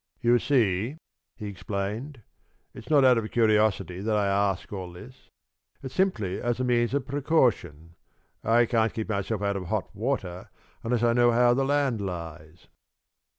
"You see," he explained, "it's not out of curiosity that I ask all this. It's simply as a means of precaution. I can't keep myself out of hot water unless I know how the land lies."